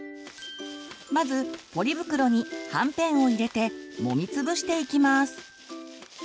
まずポリ袋にはんぺんを入れてもみつぶしていきます。